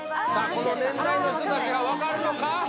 この年代の人達が分かるのか？